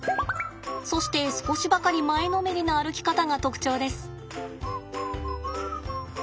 そして少しばかり前のめりな歩き方が特徴です。